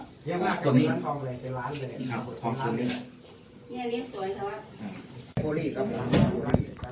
ทองทุนเนี่ยนี่อันนี้สวยใช่ป่ะ